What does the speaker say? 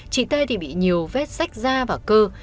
chị tây thì bị nhiều vết sách da và cơ